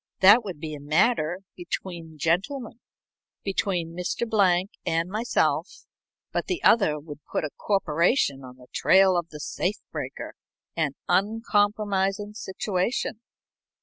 That would be a matter between gentlemen, between Mr. Blank and myself, but the other would put a corporation on the trail of the safe breaker an uncompromising situation."